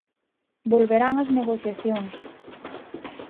Volverán as negociacións.